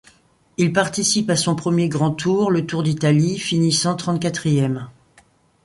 Il participe à son premier grand tour, le Tour d'Italie, finissant trente-quatrième.